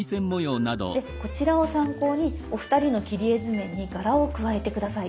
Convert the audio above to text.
でこちらを参考にお二人の切り絵図面に柄を加えて下さい。